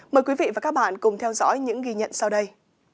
mời quý vị và các bạn cùng theo dõi những ghi nhận sau đây